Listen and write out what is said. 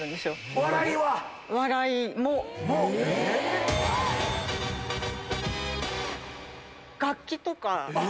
お笑いは⁉楽器とか。